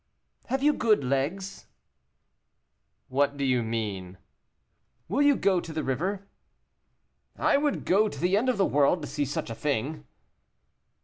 "Have you good legs?" "What do you mean?" "Will you go to the river?" "I would go to the end of the world to see such a thing."